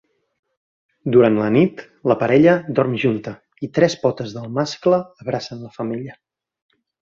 Durant la nit la parella dorm junta, i tres potes del mascle abracen la femella.